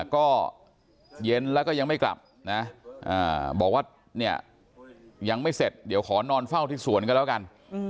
ก็เย็นแล้วก็ยังไม่กลับนะบอกว่าเนี่ยยังไม่เสร็จเดี๋ยวขอนอนเฝ้าที่สวนกันแล้วกัน